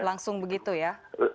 langsung begitu ya